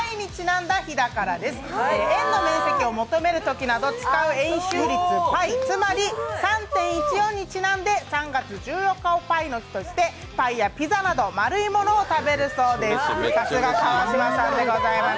円の面積を求めるときに使う円周率パイ、つまり３．１４にちなんで、３月１４日をパイの日としてパイやピザなど丸いものを食べるそうです。